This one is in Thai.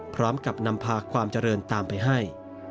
พร้อมกับนำพาความเจริญตามไปให้